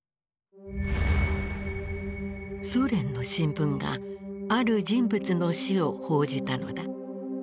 ソ連の新聞がある人物の死を報じたのだ。